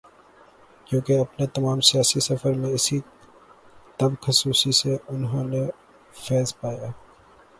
کیونکہ اپنے تمام سیاسی سفر میں اسی طب خصوصی سے انہوں نے فیض پایا۔